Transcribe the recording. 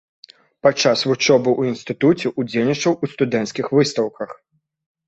Падчас вучобы ў інстытуце ўдзельнічаў у студэнцкіх выстаўках.